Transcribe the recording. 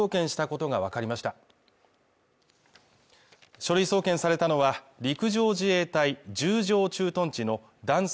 書類送検されたのは陸上自衛隊十条駐屯地の男性